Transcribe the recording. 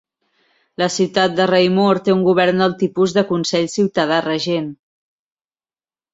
La ciutat de Raymore té un govern de tipus de consell ciutadà-regent.